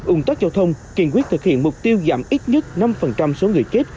ủng tác giao thông kiên quyết thực hiện mục tiêu giảm ít nhất năm số người chết